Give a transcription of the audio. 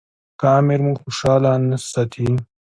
که امیر موږ خوشاله نه ساتي.